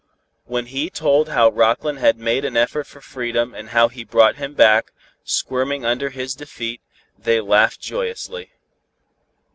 When he told how Rockland had made an effort for freedom and how he brought him back, squirming under his defeat, they laughed joyously.